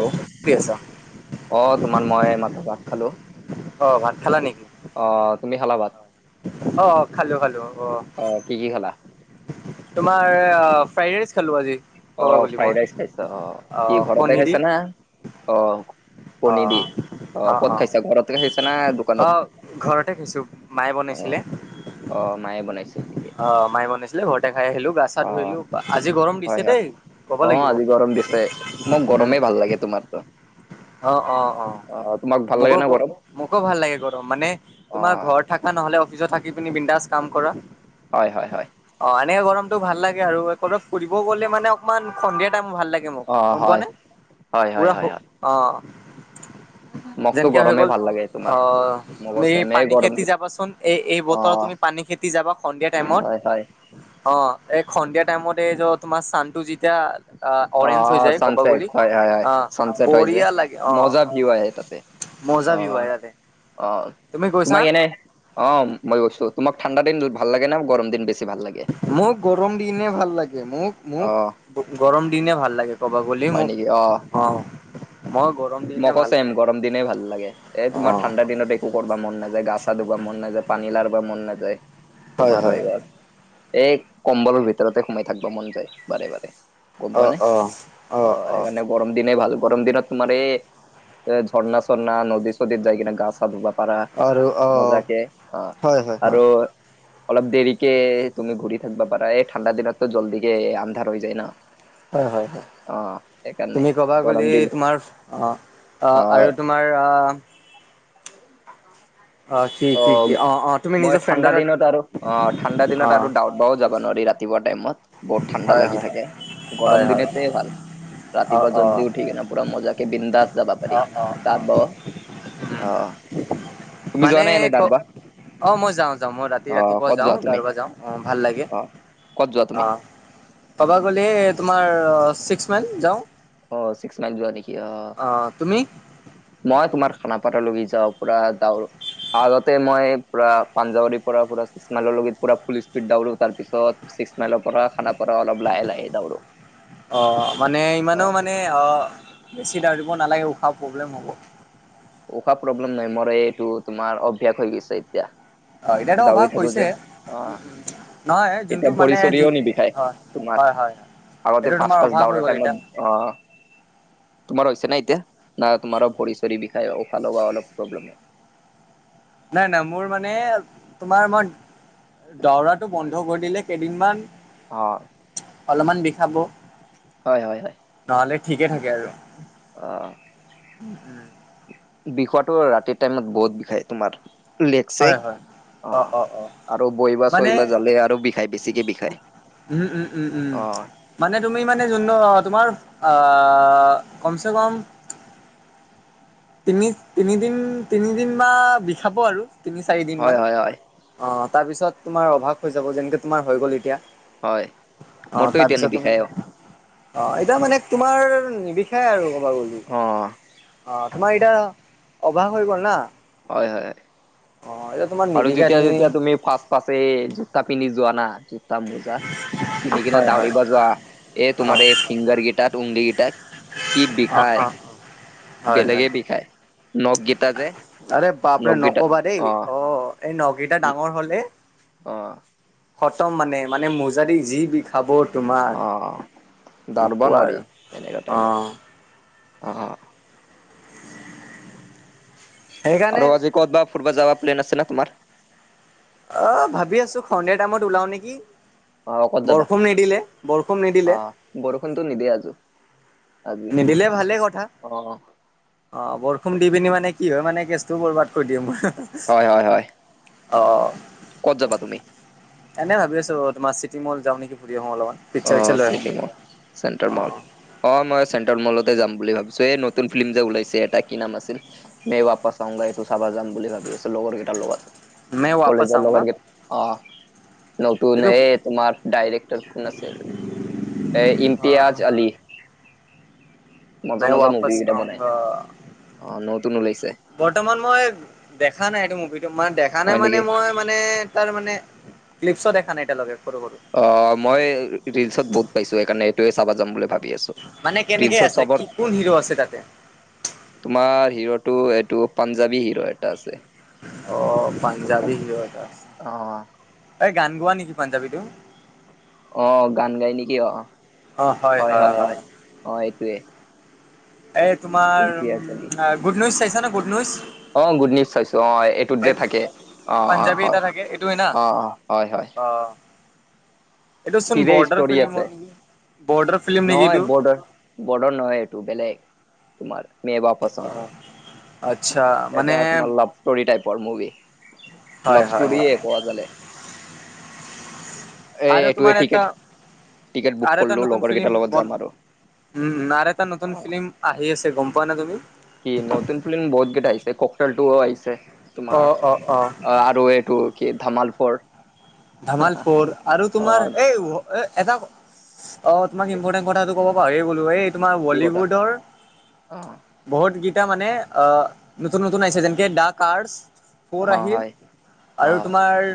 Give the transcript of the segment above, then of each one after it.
Hello কি আছা অ তোমাৰ এই মই মাত্ৰ ভাত খালো। অ ভাত খালা অ তুমি খালা ভাত? আহ খালো খালো আহ। অ কি কি খালা তোমাৰ ফ্ৰাইড ৰাইচ খালো আজি। অ ক'ব গ'লে মই ফ্ৰাইড ৰাইচ খাইছ আহ অ কি ঘৰতে কণী দি খাইছ না অ অ কণী দি অ ক'ত অ খাইছা ঘৰতে খাইছা না অ দোকানত ঘৰতে খাইছো মায়ে অ বনাইছিলে। অ মায়ে বনাইছিল। নেকি অ মায়ে বনাইছিলে ঘৰতে খাই আহিলো গা চা অ ধুইলো আজি গৰম হয় দিছে হয় দেই ক'ব অ লাগিব আজি গৰম দিছে মোক উম গৰমেই ভাল লাগে তোমাৰতো অ অ অ তোমাক ভাল লাগে মোকো না গৰম মোকো ভাল লাগে গৰম মানে অ তোমাৰ ঘৰত থাকা নহ'লে অফিচত থাকি পিনি বিন্দাস কাম কৰা হয় হয় হয়। অ এনেকে গৰমতটো ভাল লাগে আৰু ফুৰিব গ'লে মানে অকনমান সন্ধিয়া টাইমো ভাল লাগে অ মোক গম পোৱা হয় নে হয় হয় পুৰা অ মোক টো যেনেকে হৈ গৰমে গ'ল ভাল লাগে। তোমাৰ অ মোকো তুমি চেমে পানী গৰম খেতি যাবাচোন এই এই অ বতৰত তুমি পানী খেতি যাবা সন্ধিয়া টাইমত হয় হয় অ এই সন্ধিয়া টাইমত এই যে তোমাৰ চানটো যেতিয়া অ অৰেঞ্জ হৈ অ যায় ক'বা চানচেট গ'লি হয় হয় হয়। অ চানচেট হৈ যে বঢ়িয়া লাগে অ মজা ভিউ আহে তাতে অ মজা ভিউ আহে তাতে অ তুমি গৈছা তোমাক এনে অ মই গৈছোঁ তোমাক ঠাণ্ডা দিন ভাল লাগে ন গৰম দিন বেছি ভাল লাগে? মোক গৰম দিনে ভাল লাগে মোক অ মোক গৰম দিনে ভাল লাগে ক'ব বুলি হয় মোক নেকি অ মই গৰম দিনে মোকো ভাল চেম পাওঁ গৰম দিনে ভাল লাগে এ অ তোমাৰ ঠাণ্ডা দিনত দে একো কৰবা মন নাযায় গা চা ধুবা মন নাযায় পানী লাৰিব মন নাযায় হয় তোমাৰ হয় হয়বাৰ এই কম্বলৰ ভিতৰতে সোমাই থাকিব মন যায় বাৰে-বাৰে। [unintelligible] গম অ পোৱা নে? অ অ সেইকাৰণে গৰম দিনে ভাল গৰম দিনত তোমাৰ এই [unintelligible] এ ঝৰ্ণা-চৰ্ণা, নদী-চদীত যায় কিনে গা-চা ধুবা [unintelligible] পাৰা আৰু অ মজাকে অ হয় হয় অ আৰু [unintelligible] অলপ দেৰিকে তুমি ঘূৰি থাকিবা পাৰা। এই ঠাণ্ডা দিনততো জল্দিকে আন্ধাৰ হৈ যায় ন। [unintelligible] হয়-হয়-হয় অ [inaudible] সেইকাৰণে তুমি ক'বা গৰম গ'লে দিল তোমাৰ অ [inaudible] অ আৰু তোমাৰ অ কি অ! কি কি অ তুমি মই নিজৰ ঠাণ্ডা ফ্ৰেণ্ডৰ তাত দিনত আৰু অ! ঠাণ্ডা দিনত অ আৰু দাউত [unintelligible] বাও যাব নোৱাৰি ৰাতিপুৱা টাইমত বহুত ঠাণ্ডা হয় লাগি হয় থাকে। গৰম হয় হয় দিনতে ভাল। [unintelligible] অ ৰাতিপুৱা অ জল্দি উঠি কেনে, পুৰা মজা কে বিন্দাস যাবা অ পাৰি। অ [unintelligible] অ-অ! তুমি যোৱা [unintelligible] [unintelligible] অ মই যাওঁ-যাওঁ। মই অ ৰাতি-ৰাতিপুৱা ক'ত যাওঁ, যোৱা তুমি দৌৰিব পৰা যাওঁ। অঁ! ভাল লাগে। অ ক'ত যোৱা তুমি অ! কব গ'লে তোমাৰ ছিক্স মাইল যাওঁ। [unintelligible] অ! চিক্স মাইল যোৱা নেকি অ [unintelligible] অঁ! তুমি? [unintelligible] মই তোমাৰ খানাপাৰাৰ লৈকে যাওঁ, পুৰা দাৰ [unintelligible] আগতে মই পুৰা পাঞ্জাৱাৰীৰ পৰা ছিক্স মাইলৰ লৈকে পুৰা ফুল স্পীড দৌউৰো তাৰ পিছত [unintelligible] ছিক্স মাইলৰ পৰা খানাপাৰা অলপ লাহে-লাহে দাৰো। [unintelligible] অ! মানে ইমানো মানে অ বেছি দৌৰিব নালাগে, উশাহ প্ৰব্লেম হ'ব। [unintelligible] উশাহ প্ৰব্লেম হৈ মৰে এইটো তোমাৰ অভ্যাস হৈ গৈছে এতিয়া। [unintelligible] অ এতিয়াতো দৌৰি অভ্যাস থাকো যে হৈছে অ [unintelligible] নহয় যোনটো এতিয়া মানে য ভৰি-চৰিও নিবি খাই হয় তোমাৰ। হয় হয় এইটো আগতে তোমাৰ ফাৰ্ষ্ট-ফাৰ্ষ্ট অভাৱ হৈ দৌৰা গ'ল এতিয়া টাইমত [unintelligible] অ [unintelligible] তোমাৰ হৈছে নাই এতিয়া? না তোমাৰো ভৰি-চৰি বিষাই, উশাহ অলপ প্ৰব্লেম [unintelligible] নাই-নাই, মোৰ মানে তোমাৰ মই দৌৰাটো বন্ধ কৰি দিলে কেইদিনমান [unintelligible] অ [unintelligible] [unintelligible] অলপমান বিষাব। হয়-হয়-হয়। [inaudible] নহ'লে ঠিকে থাকে আৰু। [inaudible] অ! বিষোৱাটো ৰাতিৰ টাইমত বহুত বিষাই তোমাৰ। [unintelligible] লেগ-চেগ হয় হয় অ আৰু বহিব-চহিব জালে আৰু বিষায়, বেছিকে বিষায়। [unintelligible] উম-উম-উম-উম অ', [unintelligible] মানে তুমি মানে যোনটো তোমাৰ আহ কমচেকম [unintelligible] তিনি-তিনিদিন-তিনিদিন বা বিষাব আৰু হয়, তিনি-চাৰিদিনমান। হয়, হয়, [unintelligible] অ! তাৰ পিছত তোমাৰ অভ্যাস হৈ যাব। যেনেকে তোমাৰ হৈ গ'ল এতিয়া। [inaudible] হয়। অঁ মোৰতো এতিয়া তাৰপিছত তুমি নিবিষায় অ'। [unintelligible] অ! এতিয়া মানে তোমাৰ নিবিষাই আৰু ক'ব গ'লে। [unintelligible] অ', আমাৰ এতিয়া অভ্যাস হৈ গ'ল না। [unintelligible] হয়-হয়। [unintelligible] অঁ [unintelligible] আৰু যেতিয়া-যেতিয়া তুমি ফাৰ্ষ্ট-ফাৰ্ষ্ট এই জোতা পিন্ধি যোৱা না [unintelligible] জোতা-মোজা পিন্ধি কিনে হয় হয় দৌৰিব যোৱা এই অ তোমাৰ এই ফিংগাৰ কেইটাত উঙলি কেইটাত [unintelligible] কি অ অ বিষায় হয় হয় বেলেগে বিষায় [unintelligible] গীতা যে আৰে বাপৰে নখ গীতা নকবা দেই অ। [unintelligible] এই নখকেইটা ডাঙৰ হ'লে অ', খতম মানে-মানে মোজা যি বি [unintelligible] খাব তোমাৰ অ', দাউৰবা নোৱাৰি নোকোৱাৰ এনেকা অ টাইমত অ সেইকাৰণে আৰু আজি ক'ত বা ফুৰিব যাব প্লেন আছে না তোমাৰ অ ভাবি আছো সন্ধিয়া টাইমত ওলাও নেকি অ', ক'ত বৰষুণ নিদিলে বৰষুণ নিদিলে বৰষুণটো নিদে আজো আজি নিদিলে ভালে কথা অ'। অ বৰষুণ দি পিনি মানে কি হয় মানে কেচটোও বৰবাদ কৰি দিম হয় হয় হয় মই অ ক'ত যাবা তুমি এনে ভাবি আছো তোমাৰ চিটি মল যাওঁ নেকি ফুৰি আহো অলপমান অ পিকচাৰ চিকচাৰ লৈ চিটি মল চেণ্ট্ৰেল মল অ মই চেন্ট্ৰেল মলতে যাম বুলি ভাবিছো এই নতুন ফিল্ম যে ওলাইছে এটা কি নাম আছিল মে ৱাপছ আওংগা এইটো চাবা যাম বুলি ভাবি আছে লগৰকেইটাৰ লগত মে ৱাপছ কলেজৰ লগৰ আউংগা কেই অ নতুন এইটো এই তোমাৰ ডাইৰেক্টৰ কোন আছ এই অ ইমতিয়াজ আলি মজা মে মজা মুভি ৱাপছ কেইটা বনাই আউংগা অ নতুন ওলাইছে বৰ্তমান মই দেখা নাই এইটো মুভিটো মানে দেখা নাই হয় মানে নেকি মই মানে তাৰ মানে ক্লিপছো দেখা নাই এতিয়া লগে সৰু সৰু অ মই ৰিলচত বহুত পাইছো সেইকাৰণে এইটোয়ে চাবা যাম বুলি ভাবি আছো। মানে কেনেকে ৰিলচত আছে চবৰ কি কোন হিৰো আছে তাতে? তোমাৰ হিৰোটো এইটো পাঞ্জাবী হিৰো এটা আছে। অ পাঞ্জাবী হিৰ এটা অ'। আছে এ গান গোৱা নেকি পাঞ্জাবী টো? অ গান গাই নেকি অ হয় হয় হয় অ এইটোৱে এই তোমাৰ ইমতিয়াজ আলি গুড নিউজ চাইছানে গুড নিউজ অ গুড নিউজ চাইছো অ এইটোত যে এই থাকে অ অ পাঞ্জাবী এটা হয় থাকে এইটোৱে না অ অ হয় হয়। অ', এইটো চোন হিৰে বৰ্ডাৰ ষ্টৰি আছে ফিল্মৰ নেকি? বৰ্ডাৰ ফিল্ম নেকি নহয় এইটো? বৰ্ডাৰ বৰ্ডাৰ নহয় এইটো বেলেগ তোমাৰ মে ৱাপছ আওগা অ', আচ্ছা মানে এটা তোমাৰ লাভ ষ্টৰি টাইপৰ মুভি হয়, লাভ হয়, ষ্টৰি হয় কোৱা গলে এই আৰু এইটোৱে তোমাৰ এটা টিকেট টিকেট বুক আৰু এটা কৰিলো নতুন লগৰ ফ্লিম কেইটাৰ লগত যাম বন আৰু উম আৰু এটা নতন অ'। ফ্লিম আহি আছে গম পোৱা নে তুমি? কি নতুন ফিল্ম বহুত কেইটা আহিছে ককটল টোও আহিছে। তোমাৰ অ', অ', অ আৰু এইটো কি ধামাল ফৰ ধামাল ফৰ আৰু অ তোমাৰ এই এই এটা অ তোমাক ইম্পৰ্টেণ্ট কথাটো ক'ব পাহৰিয়ে গ'লো এই তোমাৰ কি কথা বলিউডৰ অ বহুত কেইটা মানে আহ নতুন নতুন আহিছে যেনেকে ডা কাৰচ ফ'ৰ অ আহিল হয় অ আৰু তোমাৰ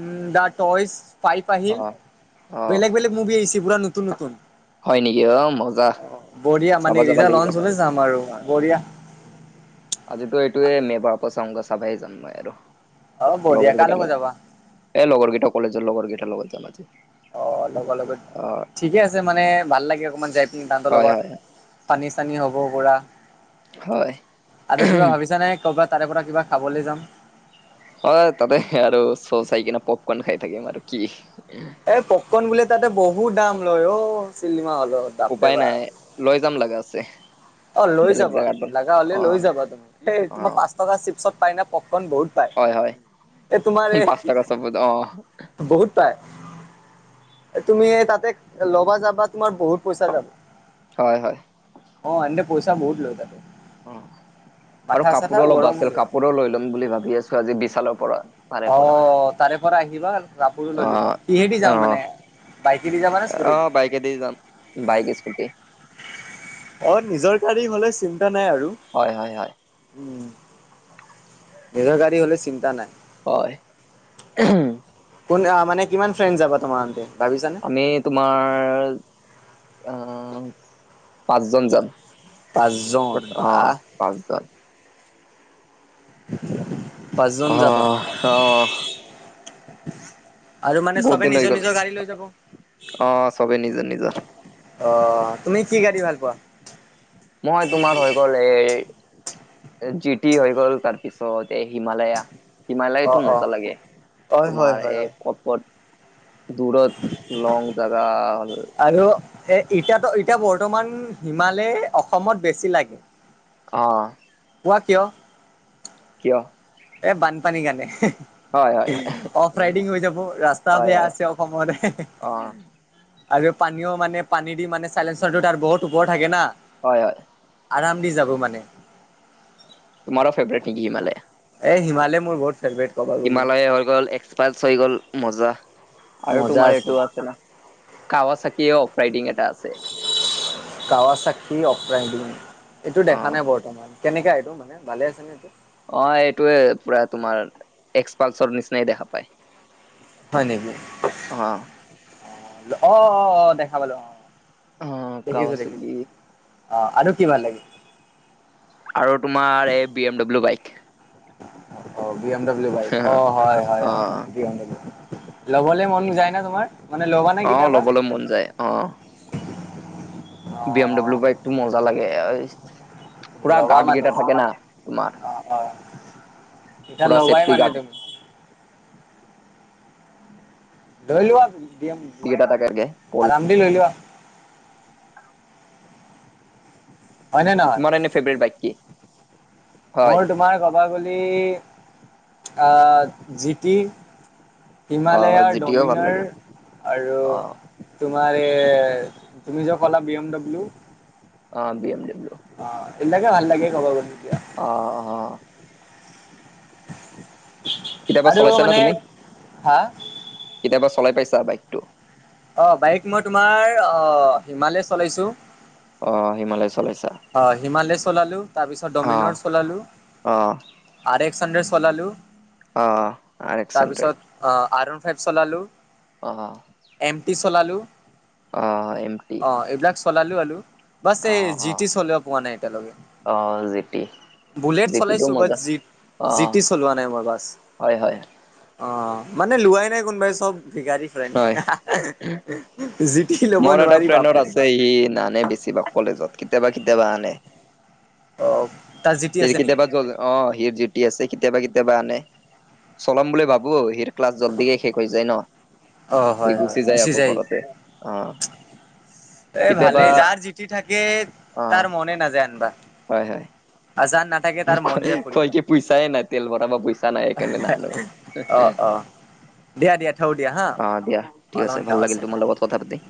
উম দা টইজ ফাইপ অ আহিল অ বেলেগ বেলেগ মুভি আহিছে পুৰা নতুন নতুন হয় নেকি মজা অ বঢ়িয়া মানে চাবা যাবা ৰিজা লাগিব লন্স হ'লেই চলে আৰু অ বঢ়িয়া আজিতো এইটোয়ে মে ৱাপচ অওংগা চাবেই জাম মই আৰু অ বঢ়িয়া লগৰ কাৰ কেইটাৰ লগত যাবা লগত এ লগৰকেইটা কলেজৰ লগৰ কেইটাৰ লগত জাম আজি। অ লগৰ লগত অ ঠিকে আছে মানে ভাল লাগে অকমান যাই পিনি তাহতৰ হয় হয় লগত পানী চানী হ'ব পুৰা হয় আৰু কিবা ভাবিছা নে কবাত তাৰে পৰা কিবা খাবলে যাম হয় তাতে আৰু চৌ চাই কিনে পপকন খাই থাকিম আৰু কি এই পপকন বোলে তাতে বহুত দাম লয় অ চিনেমা হলত বাপৰে উপায় নাই বাপ লৈ যাম লগাতে অ লৈ যাবা লাগা হলে লৈ যাবা তুমি এই অ তোমাৰ পাঁচ টকা চিপছত পাই না পপকণ বহুত পায় হয় হয় এই তোমাৰ এই পাঁচ টকাত চব অ বহুত পাই এ তুমি তাতে ল'বা যাবা তোমাৰ বহুত পইচা যাব হয় হয় অ এনদে পইচা বহুত লয় তাতে অ আৰু মাথা চাথা কাপৌৰৌ অলপ গৰম হৈ আছিল যায়। কাপৌৰৌ লৈ ল'ম বুলি ভাবি আছো আজি বিশালৰ পৰা তাৰে অ পৰা তাৰে পৰা আহিবা কাপোৰো লৈ লবা অ' কিহেদি যাম মানে বাইকেদি যাবা নে স্কুটিত কেদি যাম বাইক স্কুটি অ নিজৰ গাড়ী হলে চিন্তা নাই আৰু হয় হয় হয় উম নিজৰ গাড়ী হ'লে চিন্তা নাই হয় এহুও কোন আ মানে কিমান ফ্ৰেণ্ড যাব তোমাৰহতে ভাবিছানে আমি তোমাৰ আ পাঁচজন যাম পাঁচজন অ বাহ পাঁচজন পাঁচজন যাবা অ' অ' আৰু মানে বহুত চবে দিন হৈ নিজৰ গ'ল নিজৰ গাড়ী লৈ যাব অ' চবে নিজৰ নিজৰ অ তুমি কি গাড়ী ভাল পোৱা মই তোমাৰ হৈ গ'ল এই জি টি হৈ গ'ল তাৰপিছত এ হিমালয়া সিমালাই অ টো অ মজা লাগে অ হয় হয় তোমাৰ হয় এই হয় ক'ত ক'ত দূুৰত লং জাগা ল আৰু এ এতিয়াতো এতিয়া বৰ্তমান হিমালে অসমত বেছি লাগে অ কোৱা কিয় কিয় এ বানপানীৰ কাণে হয়, হয়, অফ হয়। ৰাইডিং হৈ যাব ৰাস্তা হয়, বেয়া হয়, আছে অসমৰে অ', আৰু পানীও মানে পানী দি মানে চাইলেঞ্চৰটো তাৰ বহুত ওপৰ থাকে না হয় হয় আৰাম দি যাব মানে তোমাৰৌ ফেভৰেট নিকি এ হিমালয়া হিমালয় মোৰ বহুত ফেভৰেট ক'ব গ'লে হিমালয় হৈ গ'ল এক পালছ্ হৈ গল মজা আৰু তোমাৰ এইটো আছে ন খাৱা চাকিঅ অফ ৰাইডিং এটা আছে কাৱা চাকি অফ লাইন বুলি এইটো দেখা অ', নাই বৰ্তমান কেনেকা এইটো মানে ভালে আছে নে এইটো অ এইটোয়ে পুৰা তোমাৰ এক্সপালচৰ নিচিনাই দেখা পায় হয় নিকি অ', অ অ অ দেখা পালো অ অ', দেখিছো দেখিছো কাৱাচাকি অ আৰু কি ভাল লাগে আৰু তোমাৰ এই বি এম ডব্লিউ বাইক অ, বি এম ডাব্লিউ বাইক। অ, হয়, হয়, হয়, অ', বি এম ডাব্লিউ। ল'বলে মন যায় না তোমাৰ? মানে ল'বা নে অ, কেতিয়াবা লবলৈ মন যায়, অ। অ বি এম ডাব্লিউ বাইকটো মজা লাগে। পুৰা ল'বা গাৰ্ড মানে গেইটা চিধা। থাকে না তোমাৰ, অ অ এতিয়া পুৰা ল'বাই চেফটি মানে গাৰ্ড। তুমি ধই লোৱা বি এম [unintelligible] [unintelligible] লৈ লোৱা। হয়নে নহয়? এনে ফেভৰেট বাইক কি? হয় মোৰ তোমাৰ কবাগলি আ জিটি আহ হিমালয়াৰ জিটিও ভাল ডমিনাৰ লাগে অ আৰু তোমাৰ এ, তুমি যে কলা বি এম ডব্লিউ? অ, বি এম ডব্লিউ। অ, সিবিলাকে ভাল লাগে কব গলে এতিয়া। অ। অ কেতিয়াবা আৰু চলাইছা না মানে তুমি? হা কেতিয়াবা চলাই পাইছা বাইকটো? অঁ, বাইক মই তোমাৰ অ, হিমালয় চলাইছোঁ। অ, হিমালয় চলাইছা। হয়। হিমালয় চলালো তাৰপিছত অ ডমিনৰ চলালো। অ আৰ এক্স হাণ্ড্ৰেড চলালো। অঁ, অঁ, আৰ এক্স হাণ্ড্ৰেড। অ, আৰ ৱান ফাইভ চলালো। অ, অ। এম টি চলালো। এম টি অ, এইবিলাক চলালো আৰু। বাছ অ এই জি অ টি চলিৱ পোৱা নাই এতিয়ালৈকে। অ জি টি বুলেট জি টিটো চলাইছো বাত মজা জি অ জি টি চলোৱা নাই মই বাছ। হয় হয় অ, মানে লোৱাই নাই কোনোবাই চব। ভিকাৰী ফ্ৰেণ্ড হয় [unintelligible] জি তি মোৰ এটা ফ্ৰেণ্ডত আছে, সি নানে বেছি ভাগ কলেজত কেতিয়াবা কেতিয়াবা আনে। অ তাৰ জি টি আছে নেকি কেতিয়াবা [unintelligible] অ, সিও ডিউটি আছ। কেতিয়াবা কেতিয়াবা আনে। চলাম বুলি ভাবো, হিৰ ক্লাছ জল্দিকে শেষ হৈ যায় ন। অ সি হয় হয় গুচি যায় আকৌ ঘৰতে। অ। এই ভালে, কেতিয়াবা যাৰ ডিউটি থাকে অ তাৰ মনে নাযায় আনবা। হয় হয় আজান না কয় কি, পইচাই নাই তেল ভৰাব পইচা নাই সেইকাৰণে নানো। অ অ দিয়া দিয়া থও দিয়া হা অহ দিয়া ঠিক অলপমান আছে, কাম ভাল লাগিল অ তোমাৰ লগত কথা পাতি।